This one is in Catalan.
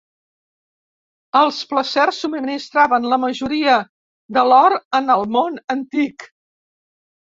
Els placers subministraven la majoria de l'or en el món antic.